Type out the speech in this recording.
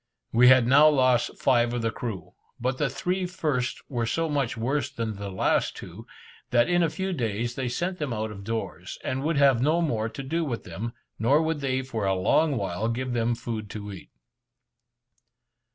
We had now lost five of the crew, but the three first were so much worse than the last two, that in a few days they sent them out of doors, and would have no more to do with them, nor would they for a long while give them food to eat.